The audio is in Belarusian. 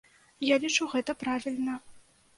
Я лічу, гэта правільна.